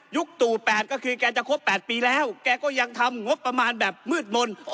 ตู่๘ก็คือแกจะครบ๘ปีแล้วแกก็ยังทำงบประมาณแบบมืดมนต์